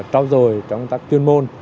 trao dồi trong công tác chuyên môn